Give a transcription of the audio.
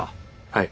はい。